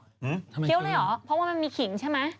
เคี้ยวเลยเหรอเพราะว่ามันมีขิงใช่ไหม